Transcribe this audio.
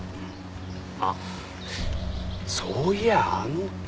あっそういやあの男